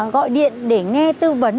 gọi điện để nghe tư vấn